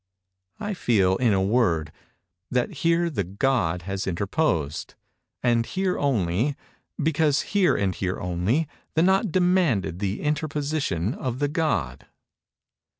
I feel, in a word, that here the God has interposed, and here only, because here and here only the knot demanded the interposition of the God.